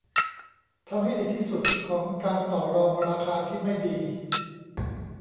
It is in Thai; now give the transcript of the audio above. ทำให้ดีที่สุดของการต่อรองราคาที่ไม่ดี